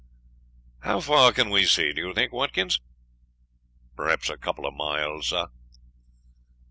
"How far can we see, do you think, Watkins?" "Perhaps a couple of miles, sir."